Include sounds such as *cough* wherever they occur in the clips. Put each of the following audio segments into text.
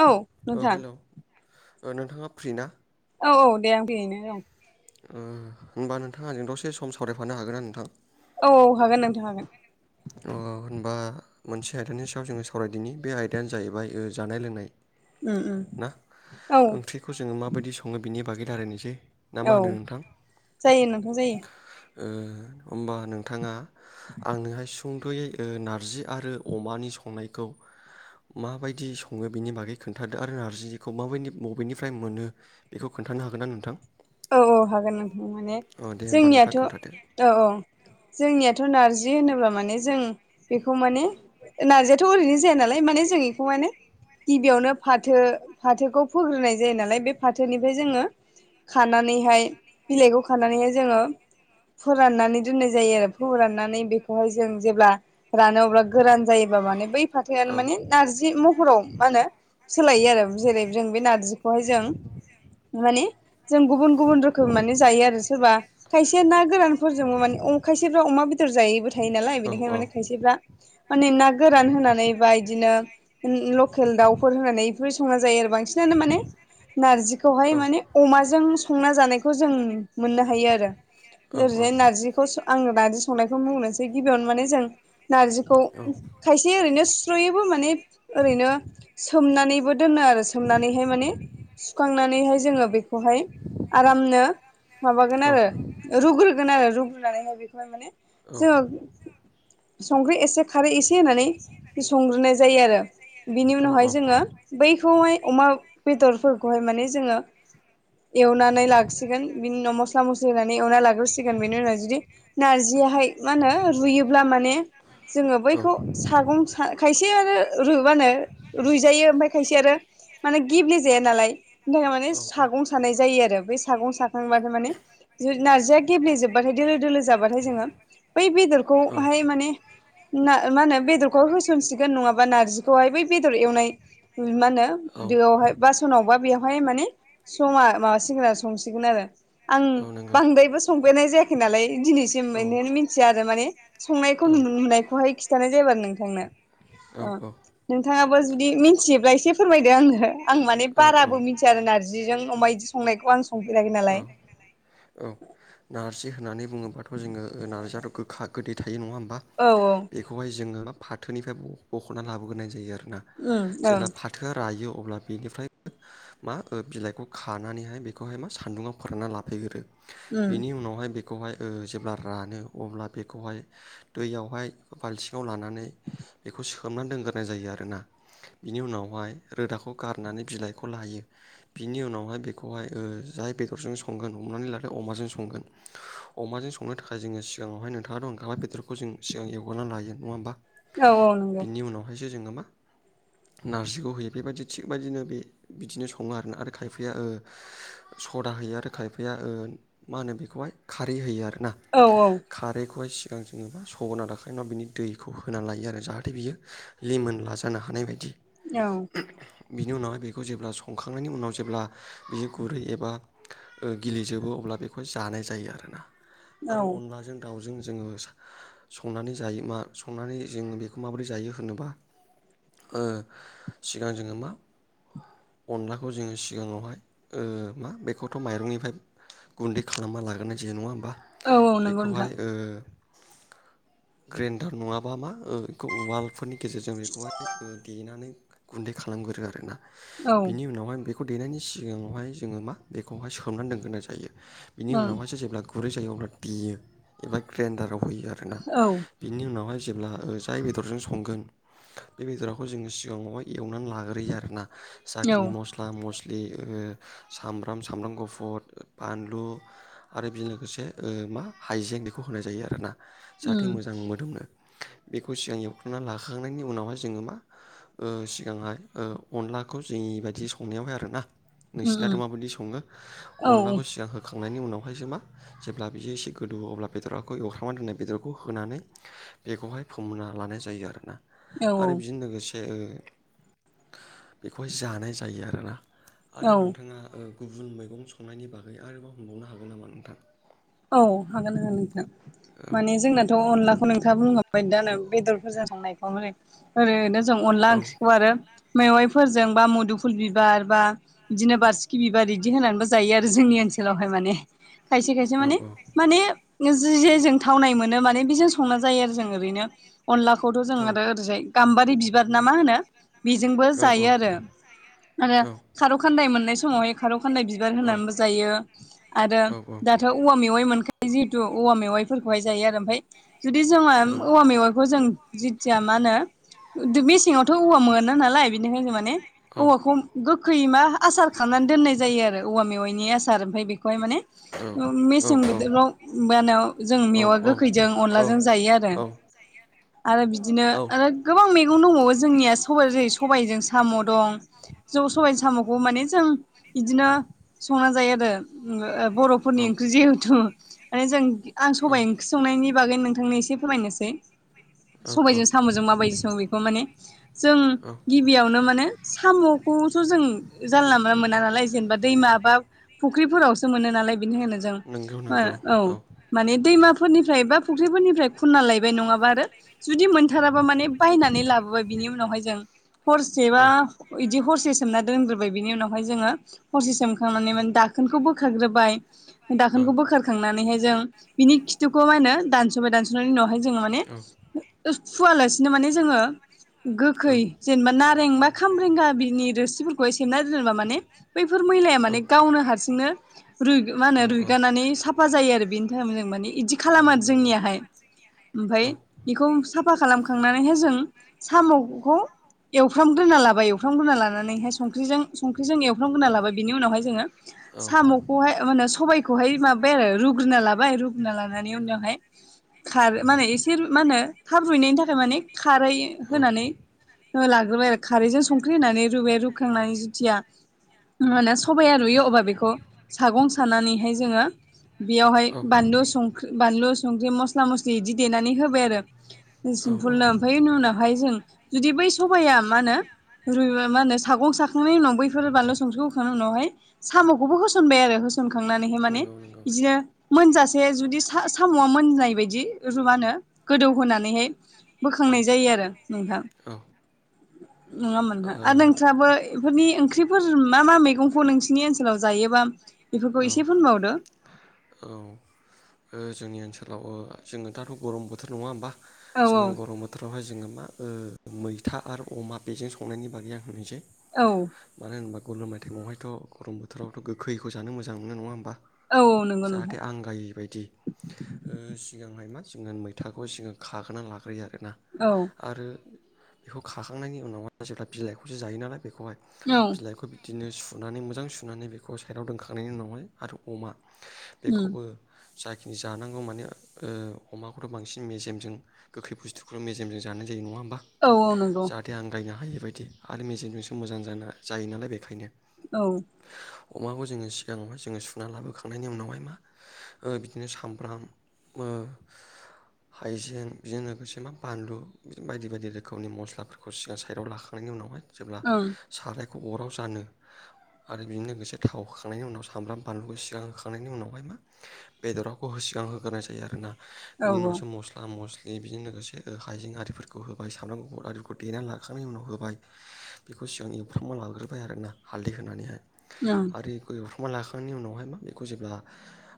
औ ओ नोंथां हेलौ ओ नोंथाङा फ्रि ना औ औ दे आं बेैनो औ ओ होमबा नोंथाङा आ जों दसे सम सावरायफानो हागोनना नोंथां औ औ हागोन नोंथां हागोन अ होनबा मोनसे आयदानि सायाव जोङो सावरायदिनि बे आयदायानो जाहैबाय ओ जानाय लोंनाय उम उम मा औ ओंख्रिखौ जोङो माबायदि सङो बिनि बागै रालायनोसै ना मा औ होनो नोंथां जायो नोंथां जायो ओ होमबा नोंथाङा आंनोहाय सुंद'यै ओ नारजि आरो अमानि संनायखौ माबायदि सङो बिनि बागै खोन्थादो आरो नारजिखौ माबायदि बबेनिफ्राय मोनो बेखौ खोन्थानो हागोन ना नोंथां औ औ हागोन नोंथां माने अ दे होनबा नोंथाङा जोंनियाथ' खोन्थादो। औ औ जोंनियाथ' नारजि होनोब्ला माने जों बेखौ माने नारजियाथ' ओरैनो जाया नालाय माने जों बेखौ माने गिबियावनो फाथो फाथोखौ फोग्रोनाय जायो नालाय बे फाथोनिफ्राय जोङो खानानैहाय बिलाइखौ खानानैहाय जोङो फोराननानै दोननाय जायो आरो फोराननानै बेखौहाय जों जेब्ला रानो अब्ला गोरान जायोबा माने बै औ फाथोआनो माने नारजि महराव मा होनो सोलायो आरो जेरै जों बे नारजिखौहाय जों माने जों गुबुन गुबुन रोखोमै माने जायो आरो सोरबा खायसेया ना गोरानफोरजोंबो माने अ खायसेफ्रा अमा बेदर जायैबो थायो नालाय बेनिखायनो माने खायसेफ्रा माने ना गोरान होनानै बा इदिनो लकेल दाउफोर होनानै बेफोरबादि संना जायो आरो बांसिनानो माने नारजिखौहाय माने अमाजों संना जानायखौ जों मोननो हायो आरो औ औ औ ओरैजाय नारजिखौ आं नारजि संनायखौ बुंनोसै गिबियावनो माने जों नारजिखौ औ खाय से ओरैनो सुस्र'योबो माने ओरैनो सोमनानैबो दोनो आरो सोमनानैहाय माने सुखांनानैहाय जोङो बेखौहाय आरामनो माबागोन औ आरो रुग्रोगोन आरो रुग्रोनानैहाय बेखौहाय माने औ जोङो संख्रि एसे खारै एसे होननानै संग्रोनाय जायो आरो बिनि औ उनावहाय जोङो बैखौहाय अमा बेदरफोरखौहाय माने जोङो एवनानै लाखिगोन बिनि उनाव मस्ला मस्लि होना नै एवना लाग्रोसिगोन बेनि उनाव जुदि नारजियाहाय मा होनो रुयोब्ला माने जोङो बैखौ सागं ओ खायसे आरो रु मा होनो रुइजायो ओमफ्राय खायसे आरो माने गेब्लेेजाया नालाय बिनि थाखाय माने सागं सानाय जायो आरो बै सागं साखांबाथाय माने जो नार्जिया गेब्लेेजोबबाथाय दोलो दोलो जाबाथाय जोङो बै बेदरखौहाय माने ना मा होनो बेदरखौ होसनसिगोन नङाबा नारजिखौहाय बै बेदर एवनाय मा होनो औ दोआवहाय बासनावबा बेवहाय माने समा माबा सिगोन आरो संसिगोन आरो आं औ नंगौ बांद्रायबो संफेरनाय जायाखै नालाय दिनैसिम औ बेनिखायनो मिथिया आरो माने संनायखौ नुनायखौहाय खिन्थानाय जाबाय नोंथांनो औ ओ नोंथाङाबो जुदि मिथियोब्ला एसे फोरमायदो आंनो आं माने औ बाराबो मिथिया आरो नार्जिजों अमा इदि संनायखौ आं संफेराखै औ नालाय औ नारजि होननानै बुङोबाथ' जोङो नार्जियाथ' गोखा गोदै थायो नङा होमबा औ औ खौहाय जोङो मा फाथोनिफ्राय बख'ना लाबोग्रोननाय जायो आरोना जेला उम फा थोया रायो अब्ला बेनिफ्राय मा बिलाइखौ खानानैहाय बेखौहाय मा सान्दुङाव फोरानना लाफैगोरो बेनि उनावहाय बे खौहाय ओ जेब्ला रानो अब्ला बेखौहाय दैयावहाय बाल्थिङाव लां नानै बेखौ सो सोमनानै दोनग्रोनाय जायो आरोना। बिनि उनावहाय रोदाखौ गारनानै बिलाइखौ लायो। बिनि उनावहाय बेखौहाय ओ जाय बेदरजों संगोन हमनानै लादो अमाजों संगोन। अमाजों संनो थाखाय जोङो सिगाङावहाय नोंथाङा थ' ओंखाबाय बेदरखौ जों सिगां एवगारनानै लायो नङा होमबा ओं उम औ औ नंगौ बिनि उनावहायसो जोङो मा नारजिखौ होयो बेबायदि थिगबायदिनो बे बिदिनो सङो आरोना आरो खायफाया सदा होयो आरो खायफाया मा होनो बेखौहाय खारै होयो आरोना औ औ खारैखौहाय सिगां जोंझे सगना दाखोन उनाव बिनि दैखौ होनानै लायो आरो जाहाथे बियो लिमोनला जानो हानाय बायदि। ओं बिनि उनावहाय बेखौ जेब्ला संखांनायनि उनाव जेब्ला बियो गुरै एब बा ओ गिलिजोबो अब्लाखौहाय जानाय जायो आरो ना। औ आरो अनलाजों दावजों जोङो सा संनानै जायो मा संनानै जोङो बेखौ माबोरै जायो होनोबा। ओ सिगां जोङो मा अनलाखौ जोङो सिगाङावहाय ओ मा बेखौथ' माइरंनिफ्राय गुन्दै खालामना लागोरनाय जायो नङा होमबा। औ नंगौ नोंथां बेखौहाय ओ ग्रेन्दार नङाबा मा ओ इखौ उवाल फोरनि गेजेरजों बेखौहाय ओ देनानै गुन्दै खालामगोरो आरोना। औ बिनि उनावहाय बे खौ देनायनि सिगाङावहाय जोङो मा बेखौहाय सोमनानै दोनग्रोना जायो। बिनि ओं उनावहायसो जेब्ला गुरै जायो अब्ला देयो एबा ग्रेन्दाराव होयो आरोना। औ बिनि उनावहाय जेब्ला ओ जाय बेदरजों संगोन। बे बेदराखौ जोङो सिगांआवहाय एवनानै लाग्रोयो आरोना। जाखिनि मस्ला मस्लि ओ सामब्राम, सामब्राम गुफुर, बानलु आरो बेनि लोगोसे मा हाइजें बेखौ होनाय जायो आरो ना। जाहाथे उम मोजां मोदोमो। बेखौ सिगां एवखांनानै लाखांनायनि उनावहाय जोङो मा ओ सिगांहाय ओ अनलाखौ जोंनि बायदि संनायावहाय आरो ना। उम नोंसिनाथ' उम माबायदि सङो। औ अनलाखौ सिगां होखांनायनि उनावहायसो मा जेब्ला बिदि एसे गोदौयो अब्ला बेदरखौ एवख्रांनानै दोननाय बेदरखौ होनानै बेखौहाय फोमोनना लानाय जायो आरो ना। औ आरो बिजों लोगोसे ओ बेखौहाय जानाय जायो आरो ना। आरो औ नोंथाङा ओ गुबुन मैगं संनायनि बागै आरोबाव हमबावनो हागौ नामा नोंथां? औ हागोन ना नोंथां। औ माने जोंनाथ' अनला खौ नोंथां बुंलांबाय दानो बेदरफोरजों संनायखौ ओै ओरैनो जों अनला औ ओंख्रिखौ आरो मेवायफोरजों बा मुदुफुल बिबार बा बिदिनो बासिखि बिबार इदि होनानैबो जायो आरो जोंनि ओनसोलावहाय माने खायसे खायसे औ माने माने जि जे जों थावनाय मोनो माने बेजों संना जायो आरो जों ओरैनो। अनलाखौथ' जों आरो ओरैजाय गाम्बारि बिबार ना मा होनो? बेजोंबो जायो आरो। आरो खारौ खान्दाय मोननाय समावहाय खार' खान्दाय बि बिबार होनानैबो जायो। आरो औ औ दाथ' औवा मेवाइ मोनखायो जिहेतु औवा मेवाइफोरखौहाय जायो आरो। ओमफाय औ जुदि जोंङो औवा मेगंखौ जों जिथिया मा होनो मेसेङाव थ' औवा मोना नालाय बेनिखायनो माने औवाखौ गोखै मा आसार खालामनानै दोननाय जायो आरो। औवा मेवाइनि आसार ओमफ्राय बेखौहाय माने ओ मेसें बोथोराव बानायाव जों मेवआ गोखैजों अनलाजों जायो आरो। आरो बिदिनो ओ गोबां मैगं दंबावो जोंनिया सबाय जेरै सबायजों साम' दं। जों सबाय साम'खौ माने जों बिदिनो संना जायो आरो बर'फोरनि ओंख जिहेथु माने जों आं सबायाइ ओं ओंख्रि संनायनि बागै नोंथांनो एसे फोरमायनोसै औ औ सबायजों साम'जों माबायदि सो बेखौ माने जों गि बियावनो माने साम'खौथ' जों जानला मला मोना नालाय जेनेबा दै माबा फुख्रिफोरावसो मोनो नालाय बेनिखायनो जों ओ औ माने दैमा फोरनिफ्राय बा फुख्रिफोरनिफ्राय खुनना लायबाय नङाबा आरो जुदि मोनथाराबा माने बायनानै लाबोबाय बिनि उनावहाय जों हरसेबा औ इदि हरसे सोमना दोनग्रोबाय बिनि उनावहाय जोङो। हरसे सोमखांनानै माने दाखोनखौ बोखार ग्रोबाय। दाखोनखौ बोखारखांनानैहाय जों बिनि खिथुखौ मा होनो दानस सबाय दानस'नायनि उनावहाय जोङो माने फुवालासिनो माने जोङो गोखै औ जेनेबा नारें बा खामब्रेंगा बिनि रोसिफोरखौ नानै दोना म बैफोर मै म औ गावनो ह मा होनो औ रुइगनानै साफा जायो आरो बेनि थाखाय जों माने बिदि खालाम नंगौ आरो नंगौ जोंनियाहाय ओमफफ्राय औ बेखौ साफा खालामखांनानैहाय जों साम'खौ एवफ्रामग्रोना लाबाय एवफ्रामग्रोना लानानैहाय संखजों संख्रिजों एवफ्रामग्रोना लाबाय बिनि उनावहाय जोङो औ बेहाय मे सबबायखौहाय माबाय आरो रुग्रोना लाबाय रुग्रोनना लानानै उनावहाय खार माने एसे मा होनो थाब रुइनायनि थाखाय माने खारै होनानै लाग्रोबाय आरो खारैजों संख्रि होनानै रुबाय रुखांनानै जुथिया मा सबाइाया रुयो अब्ला बेखौ सागं सानानैहाय जोङो बेयावहाय औ बानलु संख्रि बानलु संख्रि मस्ला मस्ला मस्लि बिदि देनानै होबाय आरो सिम्पलनो बिनि उनावहाय जों जुदि बै सबाया मा होनो मा होनो *unintelligible* सागं साखांनायनि उनाव बैफोर बानलु संख्रिखौ होखांनायनि उनावहाय साम'खौबो औ होसनबाय आरो होसनखांनानैहाय माने नंगौ नंगौ बिदिनो मोनजासे जुदि साम'आ मोननाय बायदि रुवानो गोदौहोनानैहाय औ बोखांनाय जायो आरो नोंथां ओ औ नङामोनहा आरो नोंथ्राबो बेफोरनि ओंख्रिफोर मा मा मैगंखौ नोंसिोरनि ओनसोलाव जायोबा बेफोरखौ एसे फोनबावदो औ जोंनि ओनसोलाव जोङो दाथ' गरम बोथोर नङा होमबा औ जोङो गरम बोथोरावहाय जोङो मा मैथा आरो अमा बेजों संनायनि बागै आं होनोसै औ मानो होनबा गरल माइथाइमावहायथ' गरम बोथोरावथ' गोखैखौ जानो मोजां मोन नङा होनोमबा औ औ नंगौ जाहाथे नोंथां आं राय बायदि सिगांहाय मा जोो मैथाखौ सिगां खागोनानै लाग्रोयो आरोना औ आरो बेखौ खाखांनायनि उनावहाय जेब्ला बिलाइखौसो जायो नालाय बेखौहाय औ बिलाइखौ बिदिनो सुनानै मोजां सुनानै बेखौ साइडाव दोनखांनायनि उनावहाय आरो अमा उम बेखौबो जाखिनि जानांगौ माने अमाखौथ' बांसिन मेजेमजों गोखै बुस्थुखौ मेजेमजों जानाय ज नङा होम्बा औ औ नांगौ जाथे आं गायनो हायि बायदि आरो मेजिनजोंसो मोजां जाना जायो नालाय बेखायनो औ अमाखौ जोङो सिगाङावह जोङो सुना लाबोखांनायनि उनावहाय मो बिदिनो सामब्राम हाइजें बेजों लोगोसे मा बानलु बायदि बायदि रोखोमनि मस्लाफोरखौ सिगां साइदआव लाखांनायनि उनावहाय जेब्ला ओं सारायखौ अराव जानो आरो बेजों लोगोसे थावखांनायनि उनाव सामब्राम बानलुखौ सिगां होखांनायनि उनाव हाय मा बेदराखौ होगां होग्रनाय जायो आरोना औ बिनि उनावसो मस्ला म जे बेजों लोगोसे हाइजें आरिफोरखौ होबाय सामब्राम गफुर आरिफोरखौ देनानै लाखांनायनि उनाव होबाय बेखौ सिगां एवफ्रांनानै लाग्रोबाय आरोना हालदै होनानैहाय। औ आरोि गय एवफ्रुमा लाखांनायनि उनावहाय मा बेखौ जेब्ला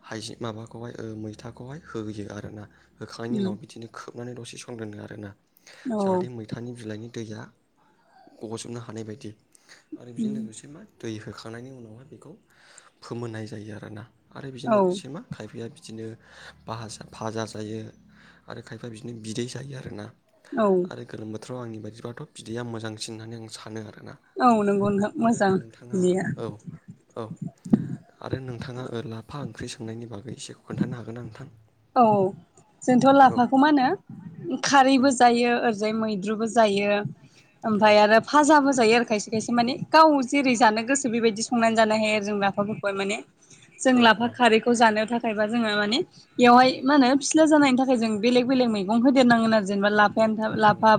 हाइजें माबाखौहाय मैथाखौहाय होयो आरोना होखांनायनि उनाव उम बिदिनो खोबनानै दसे स आरोोना औ जाहे म थानि बिलाइनि दैया गगजबनो हानाय बायदि आरो बेजों उम लोगोसे मा। दै होखांनायनि उनावहाय बेखौ फोमोननाय जायो आरोना आरो बेजों औ लोगोसे मा खायफाया बिदिनो बाजा-फाजा जायो आरो खायफाया बिदिनो बिदै जायो आरोना। औ आरो गोलोम बोथोराव आंनि बायदिब्लाथ' बिदैया मोजांसिन होननानै आं सानो आरोना। औ नंगौ नोंथां आरो मोजां नोंथाङा बिदिया औ औ आरो नोंथाङा लाफा ओंख्रि संनायनि बागै एसेखौ खोन्थानो हागोन ना नोंथां? औ जोंथ' औ लाफाखौ मा होनो औ खारैबो जायो ओरै बिजाय मैद्रुबो जायो ओमफ्राय औ आरो फाजाबो जायो आरो खायसे खायसे माने गाव जेरै जानो गोसो बेबायदि संनानै जानो हायो आरो जों लाफाफोरखौहाय माने जों औ औ लाफा खारैखौ जानो थाखायबा जोङो माने बेवाहाय मा होनो फिस्ला जानायनि थाखाय जों बेलेग बेलेग मैगं होदेरनांगोन आरो जेनेबा लाब *unintelligible* नंगौ लाफा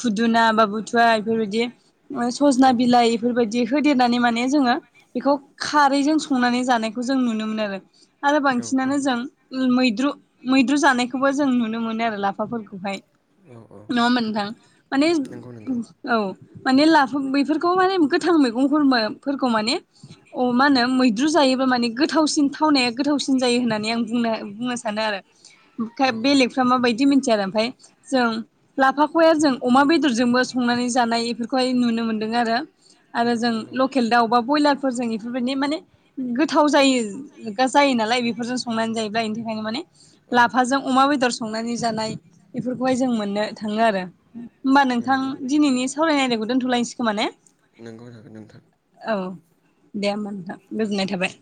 खुदुना बा बुथुवा बेफोरबायदि सजना औ बिलाइ बेफोरबायदि होदेरनानै माने जोङो बेखौ खारैजों संनानै जानायखौ जों नुनो मोनो आरो आरो औ औ बांसिनानो औ जों मैद्रु मैद्रु जानायखौबो जों नुनो मोनो आरो लाफाफोरखौहाय नङा होनबा नोंथां माने नंगौ नंगौ औ माने लाफा बेफोरखौ माने गोथां मैगंफोरफोरखौ माने अ मा होनो मैद्रु जायोबा माने गोथावसिन थावनाया गोथावसिन जायो होननानै आं बुंनो बुंनो सानो आरो औ ओम औ बेलेगफ्रा माबायदि मिथिया आरो ओमफाय जों लाफाखौहाया जों अमा बेदरजोंबो संनानै जानाय बेफोरखौहाय नुनो मोनदों आरो। आरो नंगौ जों नंगौ लकेल दाउ बा ब्रयलारफोरजों इफोरबायदिनो माने गोथाव जायो जायो नालाय बेफोरजों संनानै जायोब्ला इनि थाखायखनो माने औ लाफाजों अमा बेदर संनानै जानाय बेफोरखौहाय जों मोननो थाङो आरो। होमबा उम नोंथां उम दिनैनि सावरायनाय आयदाखौ दोन्थ'लायनोसै खोमा ने? नोंगौनो हागोन नोंथां। औ दे होमबा नोंथां गोजोननाय थाबाय।